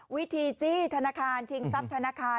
วิธีจี้ธนาคารชิงทรัพย์ธนาคาร